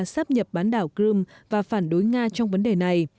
sắp nhập bán đảo crimea và phản đối nga trong vấn đề này